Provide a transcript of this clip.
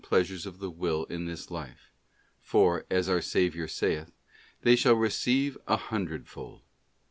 271 pleasures of the Will in this life; for, as our Saviour saith: * They shall receive an hundredfold.